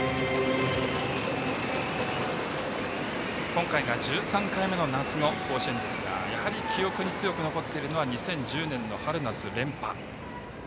今回が１３回目の夏の甲子園ですがやはり記憶に強く残っているのは２０１０年の春夏連覇。